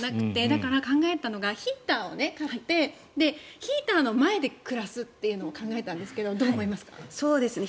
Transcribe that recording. だから考えたのがヒーターを買ってヒーターの前で暮らすのを考えたんですがどう思いますか？